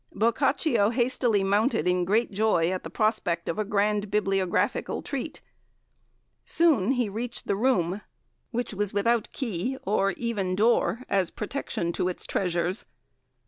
Boccaccio hastily mounted in great joy at the prospect of a grand bibliographical treat. Soon he reached the room, which was without key or even door as protection to its treasures.